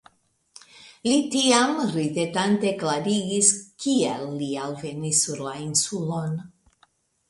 Li tiam ridetante klarigis, kiel li alvenis sur la Insulon.